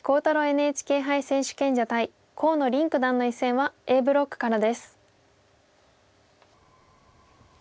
ＮＨＫ杯選手権者対河野臨九段の一戦はＡブロックからです。